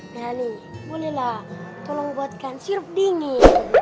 nyali bolehlah tolong buatkan sirup dingin